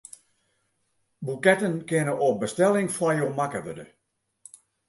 Boeketten kinne op bestelling foar jo makke wurde.